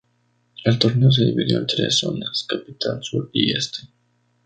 El torneo se dividió en tres zonas: capital, sur y este.